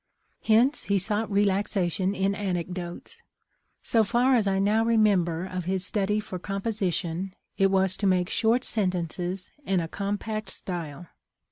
Hence he sought relax ation in anecdotes. So far as I now remember of his study for composition, it was to make short sen tences and a compact style.